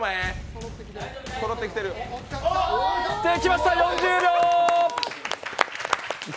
できました、４０秒。